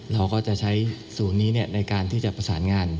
เราก็จะใช้ศูนย์นี้ในการที่จะประสานงาน